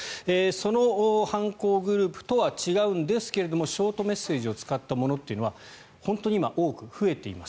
その犯行グループとは違うんですけれどもショートメッセージを使ったものというのは本当に今、多く増えています。